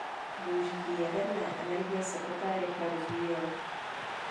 Využití jaderné energie se poté rychle rozvíjelo.